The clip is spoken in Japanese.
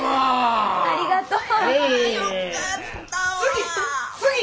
ありがとう。